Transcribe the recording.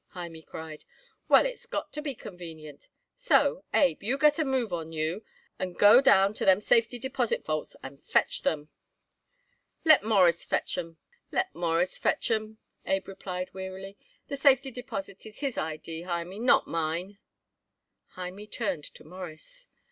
Hymie cried. "Well, it's got to be convenient; so, Abe, you get a move on you and go down to them safety deposit vaults and fetch them." "Let Mawruss fetch 'em," Abe replied wearily. "The safety deposit is his idee, Hymie, not mine." Hymie turned to Morris.